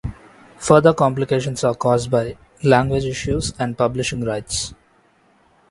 Further complications are caused by language issues and publishing rights.